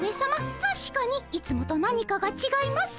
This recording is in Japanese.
たしかにいつもと何かがちがいます。